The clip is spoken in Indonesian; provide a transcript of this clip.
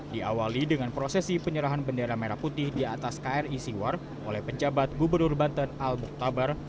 diawali dengan prosesi penyerahan bendera merah putih di atas kri siwar oleh penjabat gubernur banten al muktabar